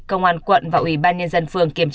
công an quận và ủy ban nhân dân phường kiểm tra